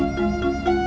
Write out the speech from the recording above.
bapak juga begitu